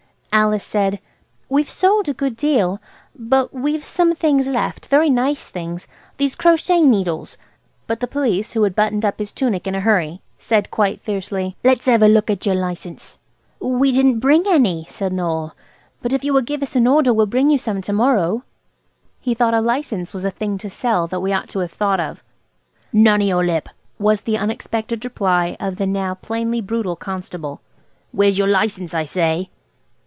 Alice said– "We've sold a good deal, but we've some things left–very nice things. These crochet needles–" But the Police, who had buttoned up his tunic in a hurry, said quite fiercely– "Let's have a look at your license." "We didn't bring any," said Noël, "but if you will give us an order we'll bring you some to morrow." He thought a license was a thing to sell that we ought to have thought of. "None of your lip," was the unexpected reply of the now plainly brutal constable. "Where's your license, I say?"